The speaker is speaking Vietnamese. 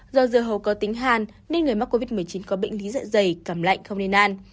do dưa hầu có tính hàn nên người mắc covid một mươi chín có bệnh lý dạ dày cảm lạnh không nên ăn